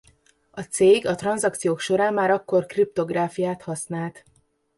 A cég a tranzakciók során már akkor kriptográfiát használt.